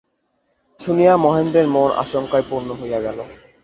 শুনিয়া মহেন্দ্রের মন আশঙ্কায় পূর্ণ হইয়া গেল।